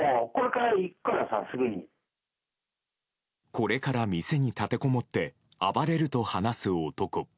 これから店に立てこもって暴れると話す男。